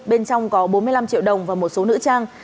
bên trong có bốn mươi năm triệu đồng và một số nữ trang